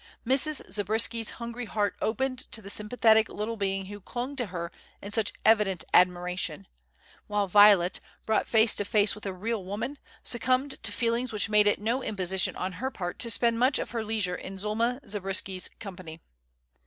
Mrs. Zabriskie's hungry heart opened to the sympathetic little being who clung to her in such evident admiration; while Violet, brought face to face with a real woman, succumbed to feelings which made it no imposition on her part to spend much of her leisure in Zulma Zabriskie's company.